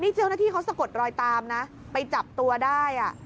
นี่เจ้าหน้าที่เขาสะกดรอยตามนะไปจับตัวได้